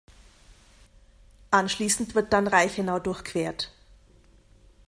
Anschließend wird dann Reichenau durchquert.